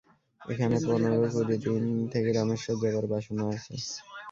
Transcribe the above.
এখানে পনর-কুড়ি দিন, থেকে রামেশ্বর যাবার বাসনা আছে।